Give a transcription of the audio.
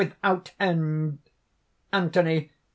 without end!" ANTHONY.